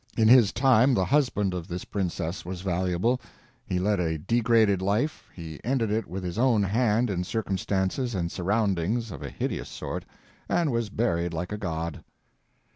In his time the husband of this princess was valuable. He led a degraded life, he ended it with his own hand in circumstances and surroundings of a hideous sort, and was buried like a god.